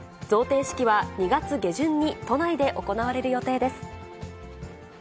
贈呈式は２月下旬に都内で行われる予定です。